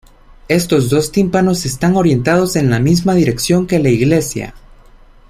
Estos dos tímpanos están orientados en la misma dirección que la iglesia.